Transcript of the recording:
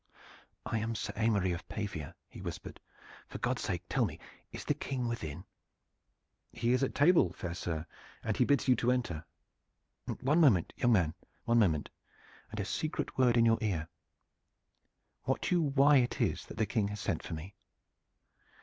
"I am Sir Aymery of Pavia," he whispered. "For God's sake, tell me! is the King within?" "He is at table, fair sir, and he bids you to enter." "One moment, young man, one moment, and a secret word in your ear. Wot you why it is that the King has sent for me?"